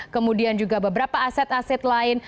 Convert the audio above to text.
kemudian juga beberapa aset aset lain